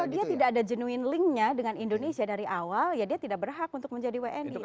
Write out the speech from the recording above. kalau dia tidak ada genuine linknya dengan indonesia dari awal ya dia tidak berhak untuk menjadi wni